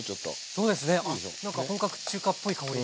そうですね何か本格中華っぽい香り。